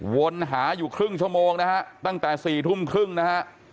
วนหาอยู่ครึ่งชั่วโมงนะฮะตั้งแต่๔ทุ่มครึ่งนะฮะ